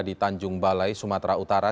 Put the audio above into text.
di tanjung balai sumatera utara